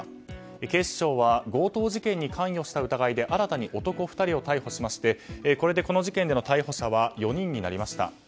警視庁は強盗事件に関与した疑いで新たに男２人を逮捕しましてこれで、この事件での逮捕者は４人になりました。